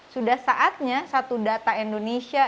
sudah saatnya satu data indonesia